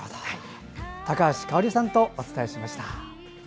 高橋香央里さんとお伝えしました。